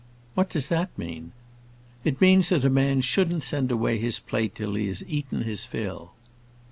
"What does that mean?" "It means that a man shouldn't send away his plate till he has eaten his fill."